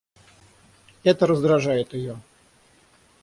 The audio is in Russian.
Это раздражает ее.